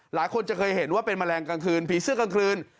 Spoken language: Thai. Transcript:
หลายคนจะเคยเห็นว่าเป็นแมลงกลางคืนผีเสื้อกลางคืน